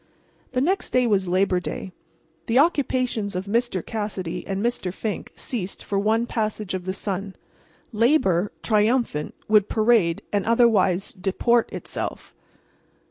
The next day was Labor Day. The occupations of Mr. Cassidy and Mr. Fink ceased for one passage of the sun. Labor, triumphant, would parade and otherwise disport itself.